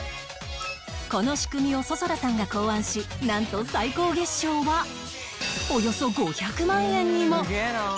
この仕組みを想空さんが考案しなんと最高月商はおよそ５００万円にも！